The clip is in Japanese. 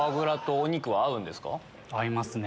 合いますね。